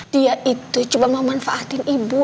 dia itu cuma mau manfaatin ibu